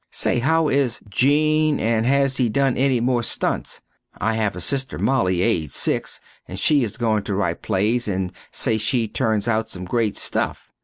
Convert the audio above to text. Say, how is Jean and has he done enny more stunts? I have a sister Molly aged 6 and she is going to rite plays and say she turns out some great stuff.